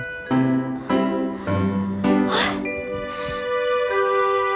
ขอให้มีชายโดยไม่เปลี่ยน